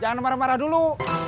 jangan marah marah dulu